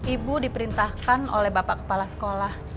ibu diperintahkan oleh bapak kepala sekolah